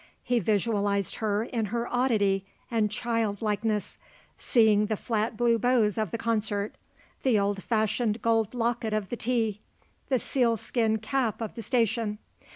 He visualized her in her oddity and child likeness; seeing the flat blue bows of the concert; the old fashioned gold locket of the tea; the sealskin cap of the station.